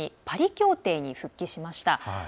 パリ協定に復帰しました。